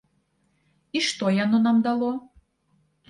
І што яно нам дало?